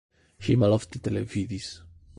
Ŝi malofte televidis.